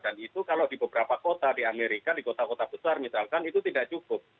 dan itu kalau di beberapa kota di amerika di kota kota besar misalkan itu tidak cukup